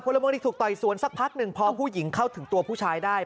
ละเมืองดีถูกต่อยสวนสักพักหนึ่งพอผู้หญิงเข้าถึงตัวผู้ชายได้